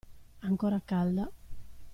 Ancora calda.